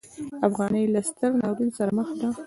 افغانۍ له ستر ناورین سره مخ ده.